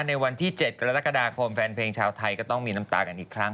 ในวันที่๗กรกฎาคมแฟนเพลงชาวไทยก็ต้องมีน้ำตากันอีกครั้ง